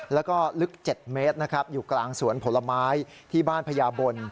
แล้วก็ลึก๗เมตรนะครับอยู่กลางสวนผลไม้ที่บ้านพญาบล